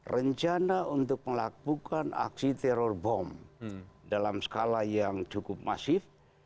rencana untuk melakukan aksi teror bom dalam skala yang cukup masif